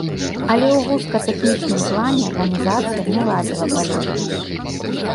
Але ў вузкатэхнічным плане арганізацыя не ладзіла палёт.